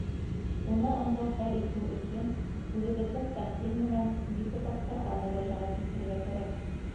Уны ыңғай хәл итеү өсөн үҙебеҙҙең тәҡдим менән депутаттарға мөрәжәғәт итергә кәрәк.